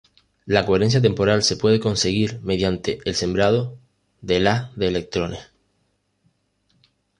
La coherencia temporal se puede conseguir mediante el sembrado del haz de electrones.